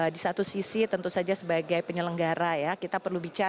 di satu sisi tentu saja sebagai penyelenggaraan olahraga kita harus menjaga